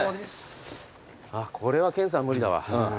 これは研さん無理だわ。